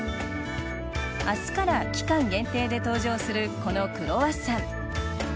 明日から期間限定で登場するこのクロワッサン。